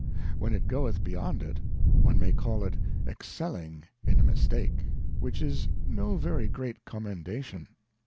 When it goeth beyond it, one may call it excelling in a Mistake, which is no very great Commendation.